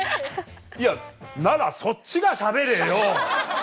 いやならそっちがしゃべれよ！